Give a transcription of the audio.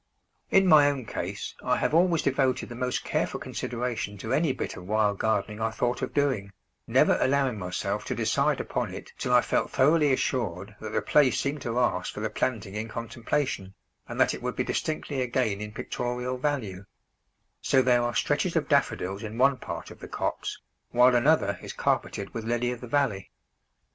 In my own case, I have always devoted the most careful consideration to any bit of wild gardening I thought of doing, never allowing myself to decide upon it till I felt thoroughly assured that the place seemed to ask for the planting in contemplation, and that it would be distinctly a gain in pictorial value; so there are stretches of Daffodils in one part of the copse, while another is carpeted with Lily of the Valley.